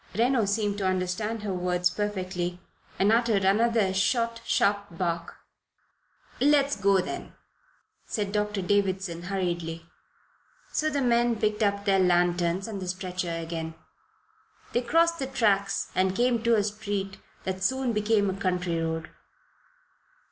Reno seemed to understand her words perfectly, and uttered another short, sharp bark. "Let us go, then," said Doctor Davison, hurriedly. So the men picked up their lanterns and the stretcher again. They crossed the tracks and came to a street that soon became a country road.